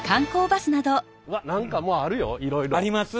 うわっ何かもうあるよいろいろ。あります？